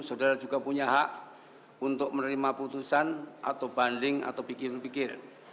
saudara juga punya hak untuk menerima putusan atau banding atau pikiran pikir